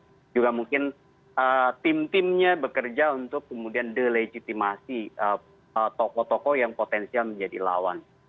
itu para politisi yang juga mungkin tim timnya bekerja untuk kemudian delegitimasi tokoh tokoh yang potensial menjadi lawan